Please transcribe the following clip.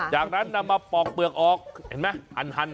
จากนั้นนำมาปอกเปลือกออกเห็นไหม